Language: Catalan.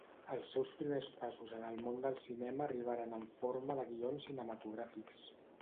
Els seus primers passos en el món del cinema arribaren en forma de guions cinematogràfics.